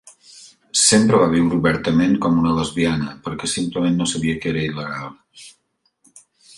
Sempre va viure obertament com una lesbiana, perquè simplement no sabia que era il·legal.